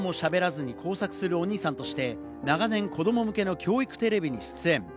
ひと言もしゃべらずに工作するお兄さんとして長年子供向けの教育テレビに出演。